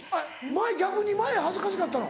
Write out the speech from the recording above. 逆に前恥ずかしかったの？